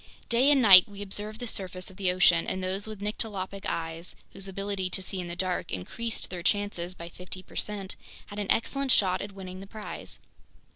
Day and night we observed the surface of the ocean, and those with nyctalopic eyes, whose ability to see in the dark increased their chances by fifty percent, had an excellent shot at winning the prize.